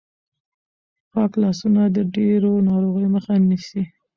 پاک لاسونه د ډېرو ناروغیو مخه نیسي.